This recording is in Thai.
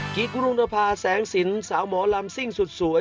กรุงนภาแสงสินสาวหมอลำซิ่งสุดสวย